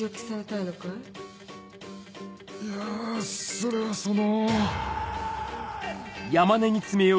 いやそれはその。